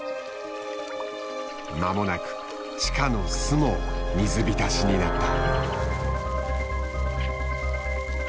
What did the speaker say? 間もなく地下の巣も水浸しになった。